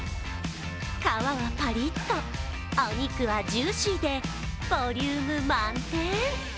皮はパリッと、お肉はジューシーでボリューム満点。